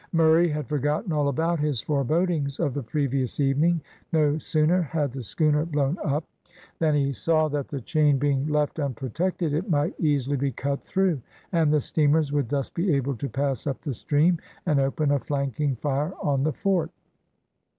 Murray had forgotten all about his forebodings of the previous evening; no sooner had the schooner blown up, than he saw that the chain being left unprotected it might easily be cut through, and the steamers would thus be able to pass up the stream, and open a flanking fire on the fort.